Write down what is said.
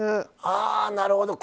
ああなるほど。